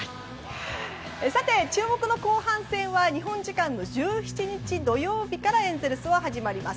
さて、注目の後半戦は日本時間の１７日土曜日からエンゼルスは始まります。